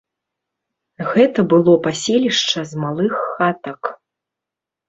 Гэта было паселішча з малых хатак.